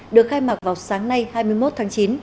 được khai mạc vào sáng nay hai mươi một tháng chín